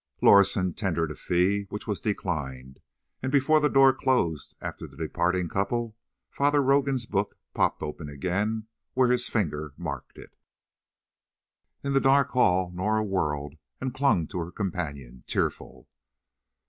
Lorison tendered a fee, which was declined, and before the door closed after the departing couple Father Rogan's book popped open again where his finger marked it. In the dark hall Norah whirled and clung to her companion, tearful.